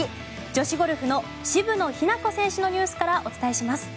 女子ゴルフの渋野日向子選手のニュースからお伝えします。